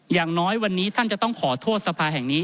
อย่างน้อยวันนี้ท่านจะต้องขอโทษสภาแห่งนี้